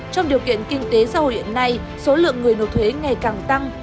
trong điều kiện kinh tế xã hội hiện nay số lượng người nộp thuế ngày càng tăng